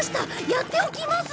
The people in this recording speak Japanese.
やっておきます！